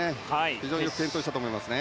非常に健闘したと思いますね。